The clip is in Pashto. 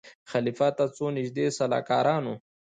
خلیفه ته څو نیژدې سلاکارانو